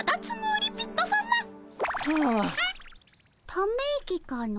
ため息かの。